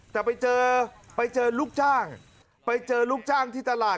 แต่ไปเจอไปเจอลูกจ้างไปเจอลูกจ้างที่ตลาด